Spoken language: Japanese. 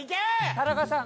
田中さん